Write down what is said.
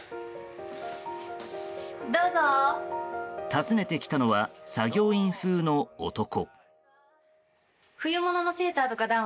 訪ねてきたのは作業員風の男。